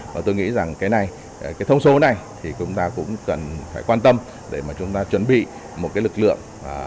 và tôi nghĩ rằng cái này cái thông số này thì chúng ta cũng cần phải quan tâm để mà chúng ta chuẩn bị một cái lực lượng